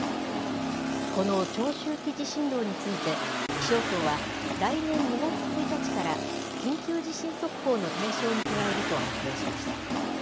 この長周期地震動について、気象庁は、来年２月１日から緊急地震速報の対象に加えると発表しました。